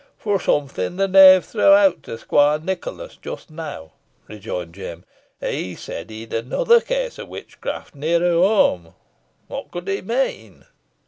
"Fro' summat the knave threw out to Squoire Nicholas just now," rejoined Jem. "He said he'd another case o' witchcraft nearer whoam. Whot could he mean?"